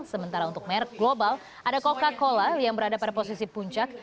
sementara untuk merek global ada coca cola yang berada pada posisi puncak